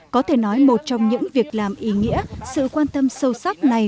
có thể nói một trong những việc làm ý nghĩa sự quan tâm sâu sắc này